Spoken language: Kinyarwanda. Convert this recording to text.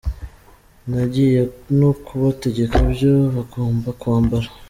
Nagiye no kubategeka ibyo bagomba kwambara????